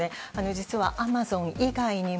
実はアマゾン以外にも